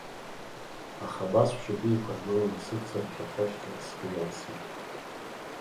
Аха абас шәшьапы еиқәыргыланы сықәцара шәахьашьҭалаз сгәы иалсит.